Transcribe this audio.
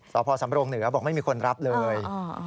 ตสเนื้อบอกว่าไม่มีคนรับเลย